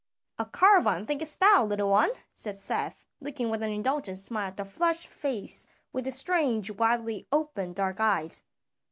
"A caravan thinkest thou, little one?" said Seth, looking with an indulgent smile at the flushed face with its strange widely opened dark eyes.